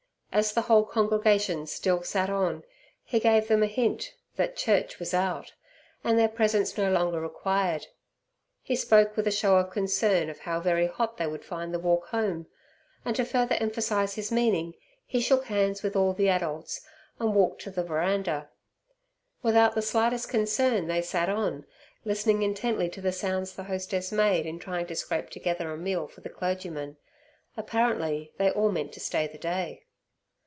As the whole congregation still sat on, he gave them a hint that "church" was out, and their presence no longer required. He spoke with a show of concern of how very hot they would find the walk home, and to further emphasize his meaning, he shook hands with all the adults, and walked to the veranda. Without the slightest concern they sat on, listening intently to the sounds the hostess made in trying to scrape together a meal for the clergyman. Apparently they all meant to stay the day.